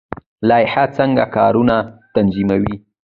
لایحه څنګه کارونه تنظیموي؟